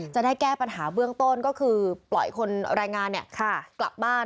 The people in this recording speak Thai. จะได้แก้ปัญหาเบื้องต้นก็คือปล่อยคนแรงงานกลับบ้าน